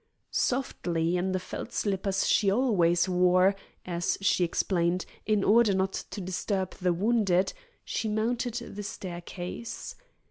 Softly, in the felt slippers she always wore, as she explained, in order not to disturb the wounded, she mounted the staircase.